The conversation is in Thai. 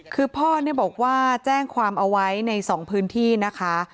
คือพ่อบอกว่าแจ้งความเอาไว้ใน๒พื้นที่นะคะ